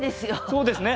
そうですね。